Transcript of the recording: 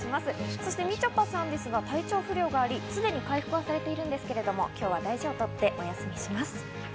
そしてみちょぱさんですが体調不良があり、すでに回復されているんですけれども今日は大事を取ってお休みします。